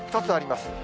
２つあります。